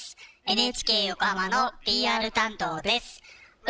ＮＨＫ横浜のＰＲ担当です！